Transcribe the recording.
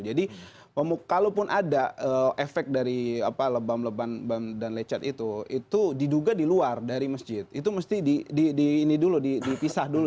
jadi ketika ada efek dari lebam leban dan lecat itu itu diduga di luar masjid itu mesti di pisah dulu